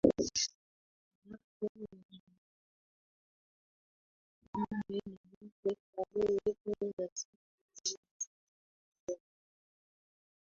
halafu Wazungwa wawili mume na mke Tarehe kumi na sita mwezi wa saba Wajerumani